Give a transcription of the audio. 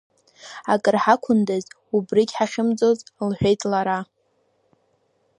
Акыр ҳақәындаз, убрыгьы ҳахьымӡоз, — лҳәеит лара.